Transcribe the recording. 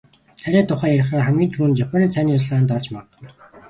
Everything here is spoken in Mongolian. Цайны тухай ярихаар хамгийн түрүүнд "Японы цайны ёслол" санаанд орж магадгүй.